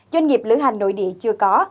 doanh nghiệp lửa hành nội địa chưa có